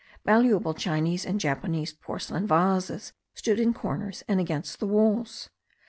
Valuable Chinese and Japanese porcelain vases stood in comers and against the walls.